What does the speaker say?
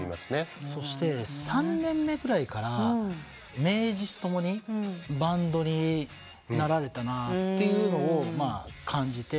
そして３年目ぐらいから名実ともにバンドになられたなっていうのを感じて。